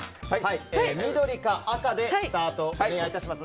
緑か赤でスタートをお願いいたします。